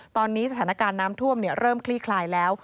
ตอนนี้สถานการณ์น้ำท่วมเริ่มคลี่คลายแล้ว